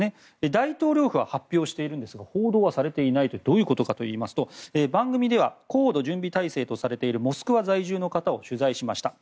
大統領府が発表しているんですが報道されていないのはどういうことかというと番組では高度準備体制とされているモスクワ在住の方を取材しました。